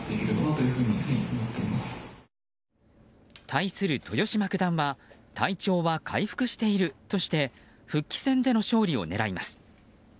対する豊島九段は体調は回復しているとして復帰戦での勝利を狙います。